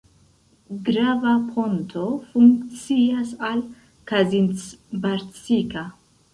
Grava ponto funkcias al Kazincbarcika.